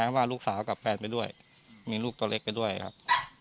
ว่าลูกสาวกับแฟนไปด้วยมีลูกตัวเล็กไปด้วยครับ